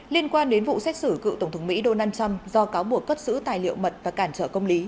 liên quan đến vụ xét xử cựu tổng thống mỹ donald trump do cáo buộc cất giữ tài liệu mật và cản trở công lý